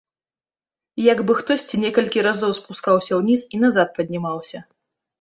Як бы хтосьці некалькі разоў спускаўся ўніз і назад паднімаўся.